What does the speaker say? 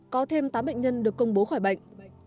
có thêm tám bệnh nhân được công bố khỏi bệnh